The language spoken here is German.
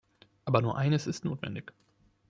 Aber nur eines ist notwendig.